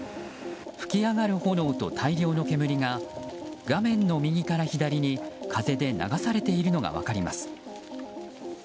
噴き上がる炎と大量の煙が画面の右から左に風で流されているのが分かります。